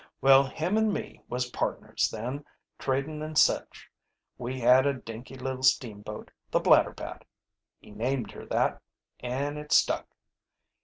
"Well, him an' me was pardners then, tradin' an' such. We had a dinky little steamboat, the Blatterbat. He named her that, an' it stuck.